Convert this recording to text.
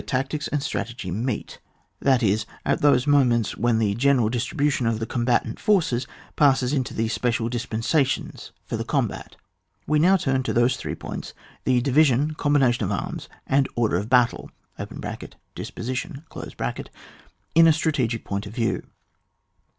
13 tactics and strategy meet, that is, at those moments when the general distri bution of the Qombatant forces passes into the special dispositions for the com bat We now turn to those three points, the division, combination of arms, and order of hattU {dispontion) in a strategic point of view.